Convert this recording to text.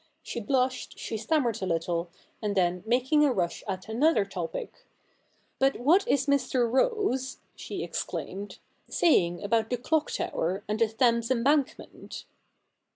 She blushed, she stammered a little, and then, making a rush at another topic, ' But what is Mr. Rose,' she exclaimed, * saying about the Clock tower and the Thames Embank ment